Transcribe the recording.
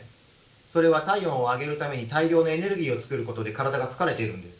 それは体温を上げるために大量のエネルギーを作ることで体が疲れているんです。